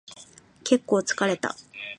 結構疲れた